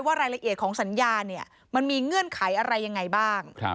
ว่ารายละเอียดของสัญญามันมีเงื่อนไขอะไรอย่างไรบ้าง